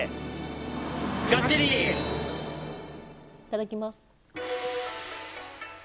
いただきます